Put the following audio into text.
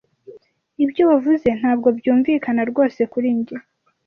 Ibyo wavuze ntabwo byumvikana rwose kuri njye.